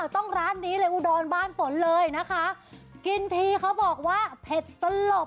ร้านนี้เลยอุดรบ้านฝนเลยนะคะกินทีเขาบอกว่าเผ็ดสลบ